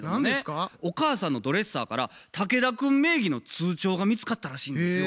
お母さんのドレッサーから竹田くん名義の通帳が見つかったらしいんですよ。